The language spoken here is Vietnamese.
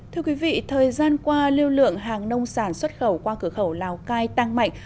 thưa quý vị thời gian qua lưu lượng hàng nông sản xuất khẩu qua cửa khẩu lào cai tăng mạnh